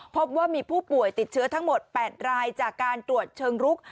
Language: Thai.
พบว่ามีผู้ป่วยติดเชื้อทั้งหมด๘รายจากการตรวจเชิงรุก